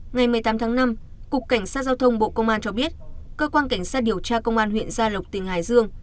ngày một mươi tám tháng năm cục cảnh sát giao thông bộ công an cho biết cơ quan cảnh sát điều tra công an huyện gia lộc tỉnh hải dương